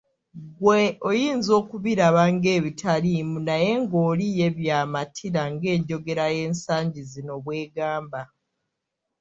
Ggwe oyinza okubiraba ng'ebitaliimu naye ng'oli ye by'amatira ng'enjogera y'ensangi zino bw'egamba.